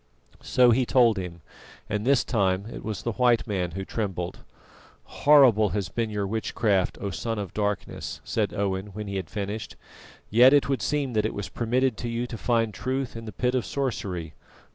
So he told him, and this time it was the white man who trembled. "Horrible has been your witchcraft, O Son of Darkness!" said Owen, when he had finished; "yet it would seem that it was permitted to you to find truth in the pit of sorcery.